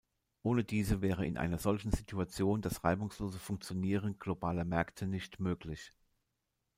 Ohne diese wäre in einer solchen Situation das reibungslose Funktionieren globaler Märkte nicht möglich.